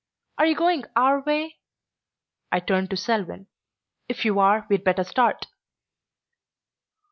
Are you going our way?" I turned to Selwyn. "If you are, we'd better start."